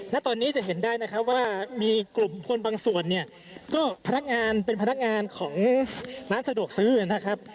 ณตอนนี้จะเห็นได้นะครับว่ามีกลุ่มคนบางส่วนเนี่ยก็พนักงานเป็นพนักงานของร้านสะดวกซื้อนะครับ